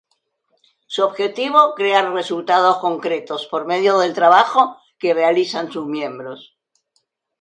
Su objetivo, crear resultados concretos, por medio del trabajo que realizan sus miembros.